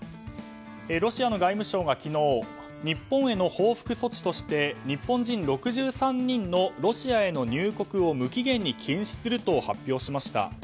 ロシアの外務省が昨日、日本への報復措置として日本人６３人のロシアへの入国を無期限に禁止すると発表しました。